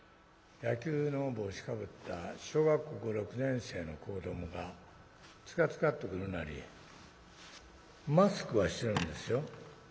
野球の帽子かぶった小学５６年生の子どもがつかつかっと来るなりマスクはしてるんですよ。